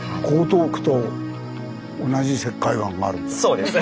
そうです。